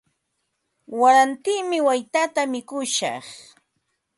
Warantimi waytata mikushaq.